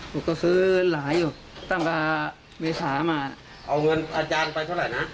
ลูกก็ซื้อหลายอยู่ตั้งแต่เมษามาเอาเงินอาจารย์ไปเท่าไหร่นะ